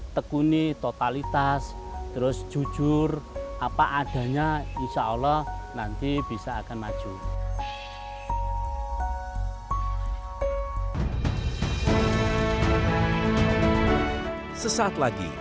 tekuni totalitas terus jujur apa adanya insya allah nanti bisa akan maju sesaat lagi